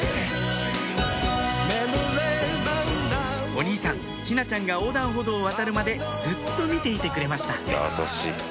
お兄さん智奈ちゃんが横断歩道を渡るまでずっと見ていてくれました